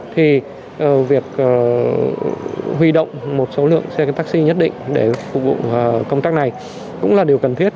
thì việc huy động một số lượng xe taxi nhất định để phục vụ công tác này cũng là điều cần thiết